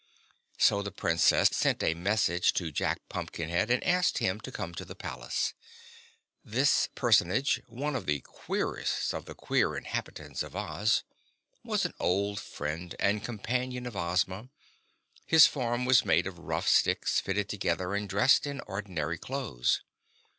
So the Princess sent a message to Jack Pumpkinhead and asked him to come to the palace. This personage, one of the queerest of the queer inhabitants of Oz, was an old friend and companion of Ozma. His form was made of rough sticks fitted together and dressed in ordinary clothes.